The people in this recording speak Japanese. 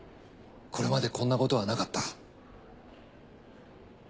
これまでこんなことはなかった。